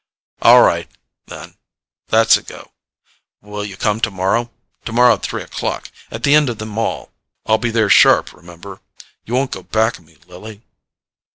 "All right, then: that's a go. Will you come tomorrow? Tomorrow at three o'clock, at the end of the Mall. I'll be there sharp, remember; you won't go back on me, Lily?"